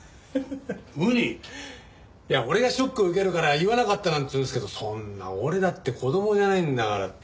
俺がショック受けるから言わなかったなんて言うんですけどそんな俺だって子供じゃないんだからって。